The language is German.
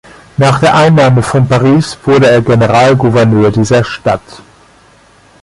Nach der Einnahme von Paris wurde er Generalgouverneur dieser Stadt.